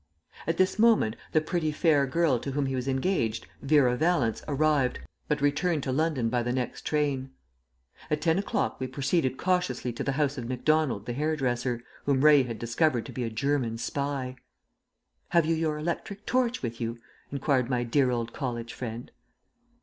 At this moment the pretty fair girl to whom he was engaged, Vera Vallance, arrived, but returned to London by the next train. At ten o'clock we proceeded cautiously to the house of Macdonald the hairdresser, whom Ray had discovered to be a German spy! "Have you your electric torch with you?" inquired my dear old college friend.